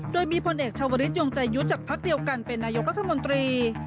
โดยมีพลเอกชาวริสยงใจยุทธ์จากพักเดียวกันเป็นนายกรัฐมนตรี